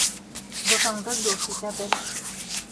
Дуҫыңды дуҫ итә бел